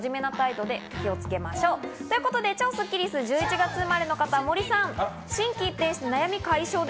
超スッキりす、１１月生まれの方、森さん。